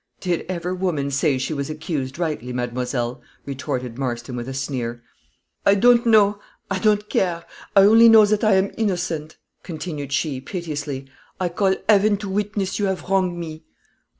"Did ever woman say she was accused rightly, mademoiselle?" retorted Marston, with a sneer. "I don't know I don't care. I only know that I am innocent," continued she, piteously. "I call heaven to witness you have wronged me."